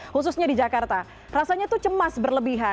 khususnya di jakarta rasanya itu cemas berlebihan